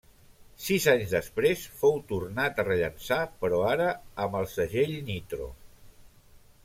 Sis anys després fou tornar a rellançar però ara amb el segell Nitro.